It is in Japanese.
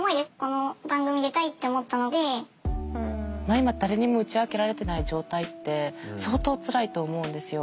今誰にも打ち明けられてない状態って相当つらいと思うんですよ。